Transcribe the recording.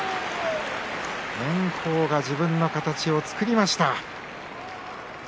炎鵬が自分の形を作りました。